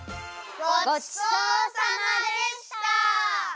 ごちそうさまでした！